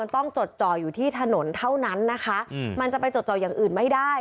ต้องจดจ่ออยู่ที่ถนนเท่านั้นนะคะมันจะไปจดจ่ออย่างอื่นไม่ได้